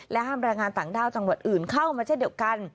ห้ามแรงงานต่างด้าวจังหวัดอื่นเข้ามาเช่นเดียวกัน